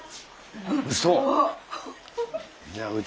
うそ！